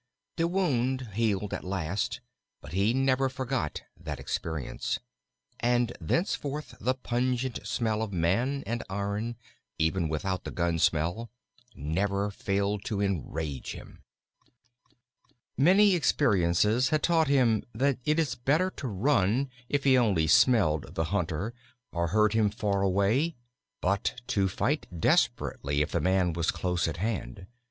The wound healed at last, but he never forgot that experience, and thenceforth the pungent smell of man and iron, even without the gun smell, never failed to enrage him. Many experiences had taught him that it is better to run if he only smelled the hunter or heard him far away, but to fight desperately if the man was close at hand.